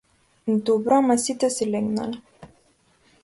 Добро ама сите си легнале.